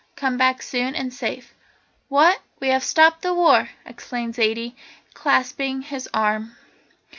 Come back soon, and safe!" "What? We have stopped the war!" exclaimed Zaidie, clasping his arm.